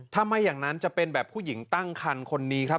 ถ้าไม่อย่างนั้นจะเป็นแบบผู้หญิงตั้งคันคนนี้ครับ